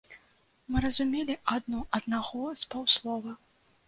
Мы разумелі адно аднаго з паўслова.